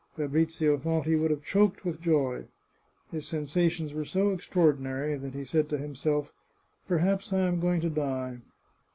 Fa brizio thought he would have choked with joy. His sensa tions were so extraordinary that he said to himself :" Per haps I am going to die.